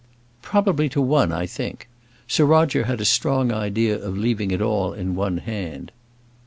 "Probably to one, I think. Sir Roger had a strong idea of leaving it all in one hand."